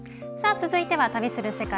続いては「旅する世界」。